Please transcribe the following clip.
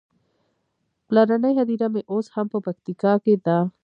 پلرنۍ هديره مې اوس هم په پکتيکا کې ده.